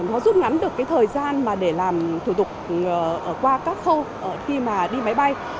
nó rút ngắn được cái thời gian mà để làm thủ tục qua các khâu khi mà đi máy bay